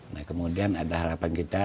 nah kemudian ada harapan kita